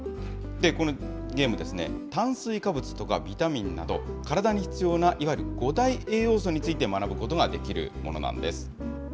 このゲームですね、炭水化物とかビタミンなど、体に必要な、いわゆる五大栄養素について学ぶことができるものなんです。